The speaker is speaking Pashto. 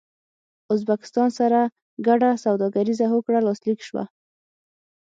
ازبکستان سره ګډه سوداګريزه هوکړه لاسلیک شوه